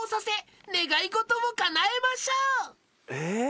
えっ？